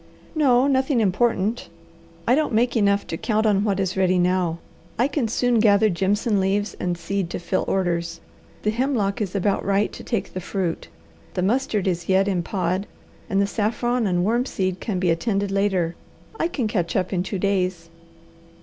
"No. Nothing important. I don't make enough to count on what is ready now. I can soon gather jimson leaves and seed to fill orders, the hemlock is about right to take the fruit, the mustard is yet in pod, and the saffron and wormseed can be attended later. I can catch up in two days."